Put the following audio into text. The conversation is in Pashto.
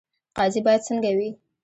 قاضي باید څنګه وي؟